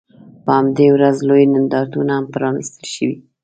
په همدې ورځ لوی نندارتون هم پرانیستل شوی و.